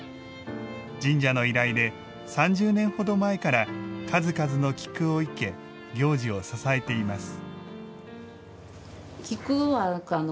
神社の依頼で３０年ほど前から数々の菊を生け行事を支えています。